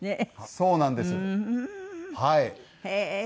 そうなんですはい。